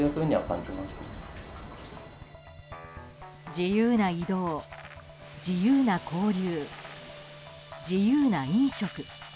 自由な移動、自由な交流自由な飲食。